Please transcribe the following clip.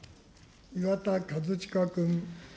岩田和親君。